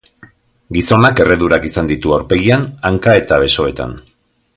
Gizonak erredurak izan ditu aurpegian, hanka eta besoetan.